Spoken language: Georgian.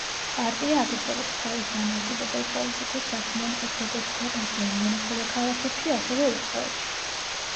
პარტია აგრძელებს თავის დამოუკიდებელ პოლიტიკურ საქმიანობას როგორც ქვეყნის რეგიონებსა და ქალაქებში, ასევე უცხოეთში.